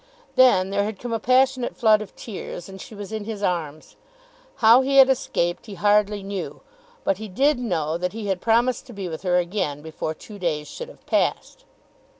Then there had come a passionate flood of tears and she was in his arms. How he had escaped he hardly knew, but he did know that he had promised to be with her again before two days should have passed.